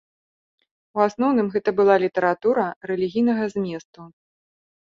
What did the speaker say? У асноўным гэта была літаратура рэлігійнага зместу.